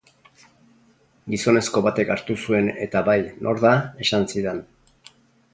Gizonezko batek hartu zuen eta bai, nor da? Esan zidan.